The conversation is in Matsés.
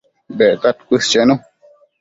Dectad cuës chenu